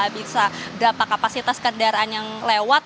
bisa berapa kapasitas kendaraan yang lewat